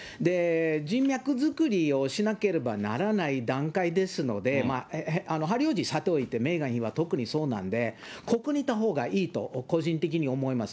人脈作りをしなければならない段階ですので、ハリー王子さておいて、メーガン妃は特にそうなんで、ここにいたほうがいいと、個人的に思います。